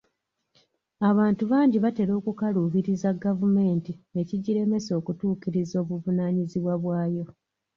Abantu abangi batera okukaluubiriza gavumenti ne kigiremesa okutuukiriza obuvunaanyizibwa bwayo.